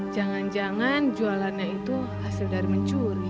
jangan jangan jualannya itu hasil dari mencuri